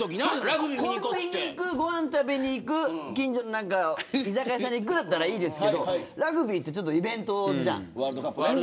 コンビニ行く、ご飯食べに行く近所の居酒屋さんに行くだったらいいですけどラグビーってちょっとイベントじゃん。